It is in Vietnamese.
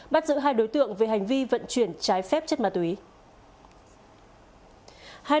bắt giữ hai đối tượng về hành vi vận chuyển trái phép chất ma túy